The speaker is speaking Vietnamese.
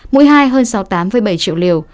mũi hai hơn sáu mươi tám bảy triệu liều